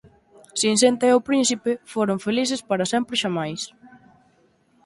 Cincenta e o príncipe foron felices para sempre xamais.